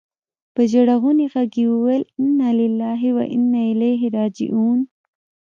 په ژړغوني ږغ يې وويل انا لله و انا اليه راجعون.